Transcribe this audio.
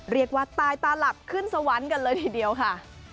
เรียกว่าตายตาหลับขึ้นสวรรค์กันเลยทีเดียวค่ะ